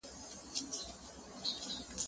زه له سهاره کتابونه ليکم